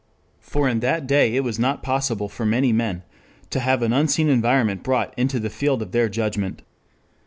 For in that day it was not possible for many men to have an unseen environment brought into the field of their judgment.